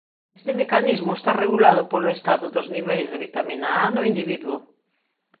Este mecanismo está regulado polo estado dos niveis de vitamina A no individuo.